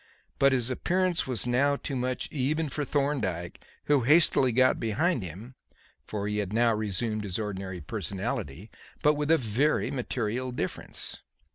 But his appearance was now too much even for Thorndyke who hastily got behind him for he had now resumed his ordinary personality but with a very material difference.